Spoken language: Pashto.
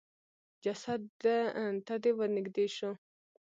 جسد د ته ورنېږدې شو.